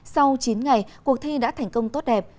sau chín ngày cuộc thi đã thành công tốt đẹp